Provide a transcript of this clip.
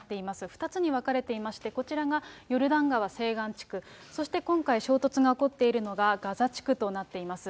２つに分かれていまして、こちらがヨルダン川西岸地区、そして今回衝突が起こっているのがガザ地区となっています。